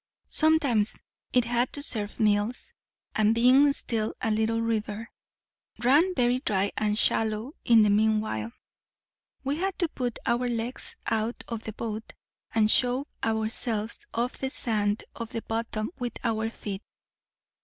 Sometimes it had to serve mills; and being still a little river, ran very dry and shallow in the meanwhile. We had to put our legs out of the boat, and shove ourselves off the sand of the bottom with our feet.